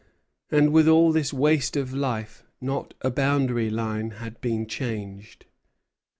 And with all this waste of life not a boundary line had been changed.